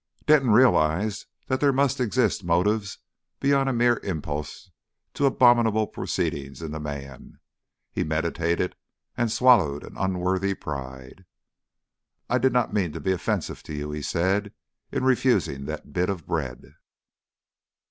Denton realised that there must exist motives beyond a mere impulse to abominable proceedings in the man. He meditated, and swallowed an unworthy pride. "I did not mean to be offensive to you," he said, "in refusing that bit of bread."